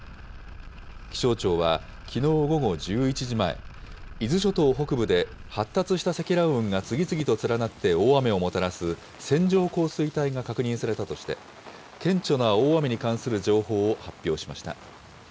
気象庁はきのう午後１１時前、伊豆諸島北部で発達した積乱雲が次々と連なって大雨をもたらす線状降水帯が確認されたとして、顕著な大雨に関する情報を発表しました。